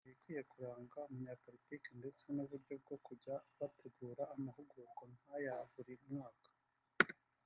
imyitwarire ikwiye kuranga umunyapolitiki ndetse n’uburyo bwo kujya bategura amahugurwa nk’aya buri mwaka